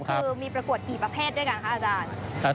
คือมีประกวดกี่ประเภทด้วยกันคะอาจารย์